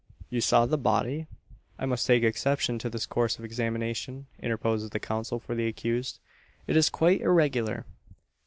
"You saw the body?" "I must take exception to this course of examination," interposes the counsel for the accused. "It is quite irregular."